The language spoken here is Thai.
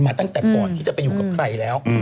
ตั้งแต่ก่อนที่จะไปอยู่กับใครแล้ว